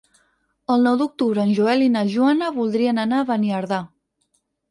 El nou d'octubre en Joel i na Joana voldrien anar a Beniardà.